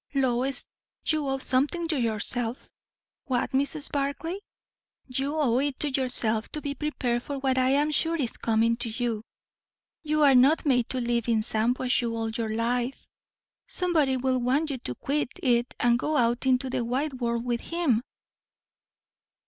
"Lois, you owe something to yourself." "What, Mrs. Barclay?" "You owe it to yourself to be prepared for what I am sure is coming to you. You are not made to live in Shampuashuh all your life. Somebody will want you to quit it and go out into the wide world with him."